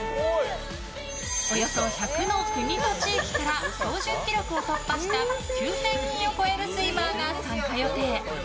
およそ１００の国と地域から標準記録を突破した９０００人を超えるスイマーが参加予定。